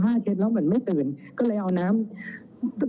แต่ถ้าดูประสบการณ์คือเป็นถึงผู้บังคับปัญชาในสถานีอย่างนี้ค่ะ